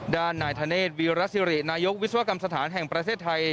ด้านนายธเนธวีรสิรินายกวิศวกรรมสถานแห่งประเทศไทย